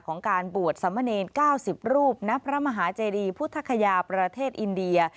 ของการบวชสำเนญ๙๐รูปณพระมหาเจริพุทธภัยประเทศอินเดีย